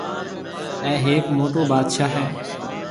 اَي هيَڪ موٽو بادشاه هيَ۔